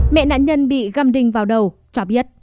mẹ nạn nhân bị găm đinh vào đầu cho biết